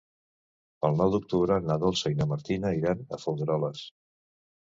El nou d'octubre na Dolça i na Martina iran a Folgueroles.